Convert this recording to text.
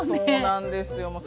そうなんですよ。